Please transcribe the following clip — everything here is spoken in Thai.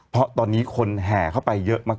เพราะตอนนี้คนแห่เข้าไปเยอะมาก